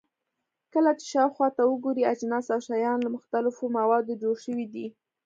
کله چې شاوخوا ته وګورئ، اجناس او شیان له مختلفو موادو جوړ شوي دي.